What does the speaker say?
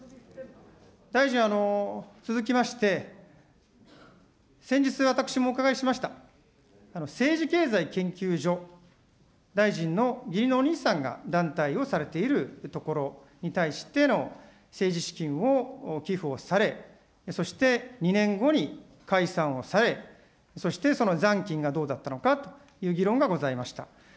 大臣、続きまして、先日、私もお伺いしました、政治経済研究所、大臣の義理のお兄さんが団体をされているところに対しての政治資金を寄付をされ、そして、２年後に解散をされ、そしてその残金がどうだったのかという議論がございました。